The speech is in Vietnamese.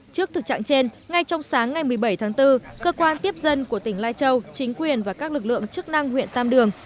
trước thực trạng trên ngay trong sáng ngày một mươi bảy tháng bốn cơ quan tiếp dân của tỉnh lai châu chính quyền và các lực lượng chức năng huyện tam đường